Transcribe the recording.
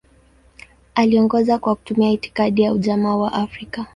Aliongoza kwa kutumia itikadi ya Ujamaa wa Afrika.